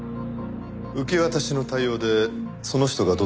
受け渡しの対応でその人がどんな人かわかる。